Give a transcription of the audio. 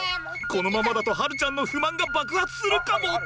このままだと晴ちゃんの不満が爆発するかも！？